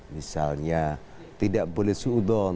misalnya tidak boleh suudon